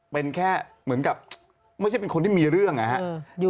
เป็นแค่เหมือนกับไม่ใช่เป็นคนที่มีเรื่องนะครับ